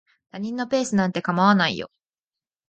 他人のペースなんて構わないよ。